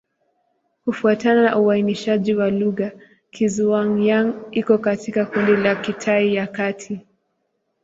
Kufuatana na uainishaji wa lugha, Kizhuang-Yang iko katika kundi la Kitai ya Kati.